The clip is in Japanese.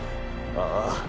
ああ。